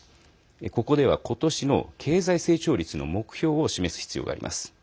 ここでは今年の経済成長率の目標を示す必要があります。